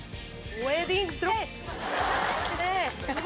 ウエディングドレス！